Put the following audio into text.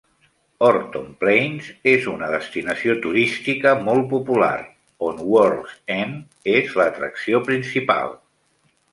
Horton Plains és una destinació turística molt popular, on World's End és l'atracció principal.